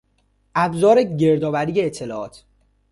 ابزار گردآوری اطلاعات.